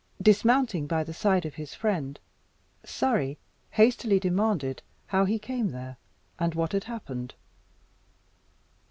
Dismounting by the side of his friend, Surrey hastily demanded how he came there, and what had happened?